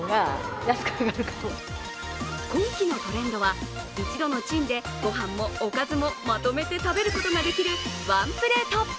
今季のトレンドは一度のチンでご飯もおかずもまとめて食べることができるワンプレート。